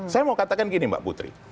saya mau katakan gini mbak putri